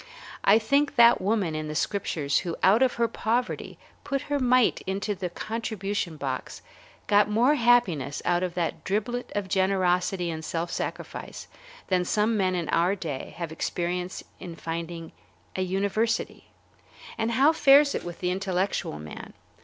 I think that the woman in the Scriptures who out of her poverty put her mite into the contribution box got more happiness out of that driblet of generosity and self sacrifice than some men in our day have experienced in founding a university. And how fares it with the intellectual man?